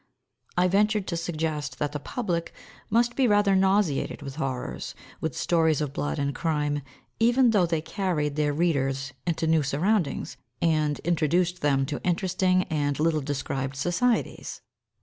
I ventured to suggest that the public must be rather nauseated with horrors, with stories of blood and crime, even though they carried their readers into new surroundings, and introduced them to interesting and little described societies.